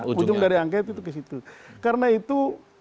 ujung dari angket itu ke situ karena itu